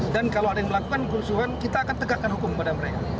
dan kalau ada yang melakukan kerusuhan kita akan tegakkan hukum pada mereka